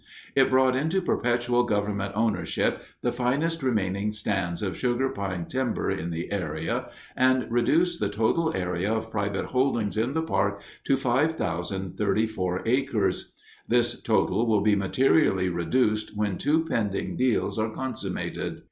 It brought into perpetual Government ownership the finest remaining stands of sugar pine timber in the area and reduced the total area of private holdings in that park to 5,034 acres. This total will be materially reduced when two pending deals are consummated.